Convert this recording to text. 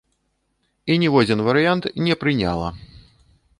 І ніводзін варыянт не прыняла.